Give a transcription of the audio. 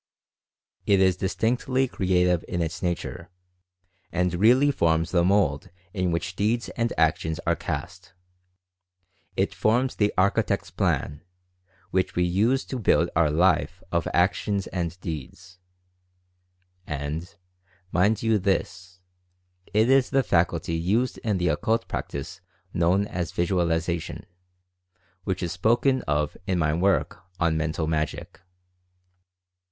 It is distinctly creative in its nature, and really forms the mould in which deeds and actions are cast — it forms the architect's plan, which we use Phenomena of Induced Imagination 127 to build our life of action and deeds. And, mind you this, it is the faculty used in the Occult practice known as "Visualization," which is spoken of in my work on "Mental Magic."